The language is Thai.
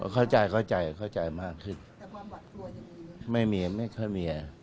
เข้าใจเข้าใจมากขึ้น